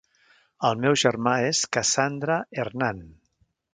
El meu germà és Cassandra Hernán.